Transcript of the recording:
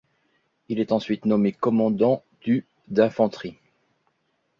Il est ensuite nommé commandant du d'infanterie.